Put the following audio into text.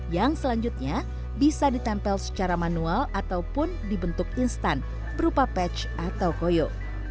yang selanjutnya bisa ditempel secara manual ataupun dibentuk instan berupa patch atau koyo